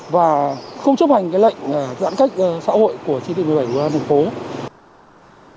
và không chấp hành cái lệnh giãn cách xã hội của chỉ thị một mươi bảy của thành phố